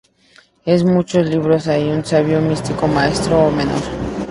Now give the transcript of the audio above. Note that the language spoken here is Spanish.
En muchos libros hay un sabio, místico maestro o mentor.